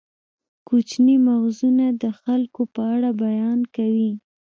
کوچني مغزونه د خلکو په اړه بیان کوي.